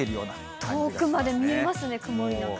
遠くまで見えますね、曇りなく。